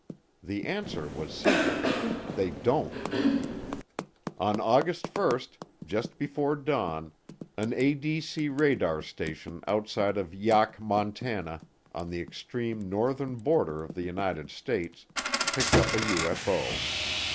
The answer was simple: they don't. On August 1, just before dawn, an ADC radar station outside of Yaak, Montana, on the extreme northern border of the United States, picked up a UFO.